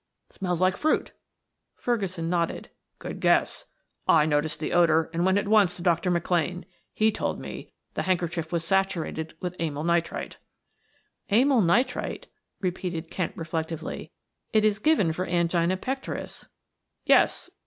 "Smells like fruit." Ferguson nodded. "Good guess; I noticed the odor and went at once to Dr. McLane. He told me the handkerchief was saturated with amyl nitrite." "Amyl nitrite," repeated Kent reflectively. "It is given for angina pectoris." "Yes.